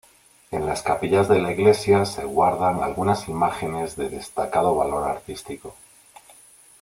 En las capillas de la iglesia se guardan algunas imágenes de destacado valor artístico.